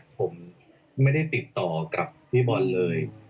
ผมไม่ได้ติดต่อกับพี่บอลเลย